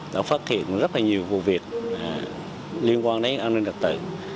đã phát hiện rất là nhiều vụ việc liên quan đến an ninh đặc tự